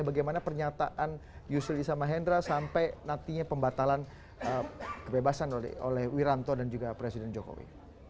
bagaimana pernyataan yusril isamahendra sampai nantinya pembatalan kebebasan oleh wiranto dan juga presiden jokowi